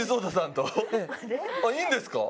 いいんですか？